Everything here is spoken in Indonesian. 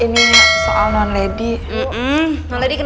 enggak hebat aja